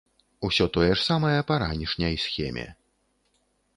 Усё тое ж самае па ранішняй схеме.